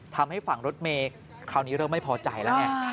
ทำให้ฝั่งรถเมย์คราวนี้เริ่มไม่พอใจแล้วไง